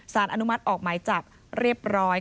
อนุมัติออกหมายจับเรียบร้อย